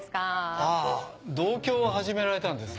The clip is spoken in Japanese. あぁ同居を始められたんですね。